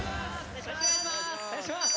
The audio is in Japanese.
お願いします。